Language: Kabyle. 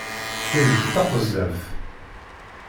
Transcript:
Kem d taqezzabt!